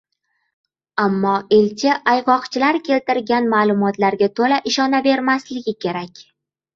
ammo elchi ayg‘oqchilar keltirgan ma’lumotlarga to‘la ishonavermasligi kerak